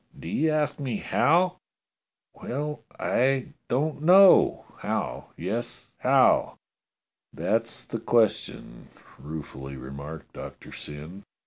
Do you ask me how? Well, I don't know! How? Yes, how?" "That's the question," ruefully remarked Doctor Syn.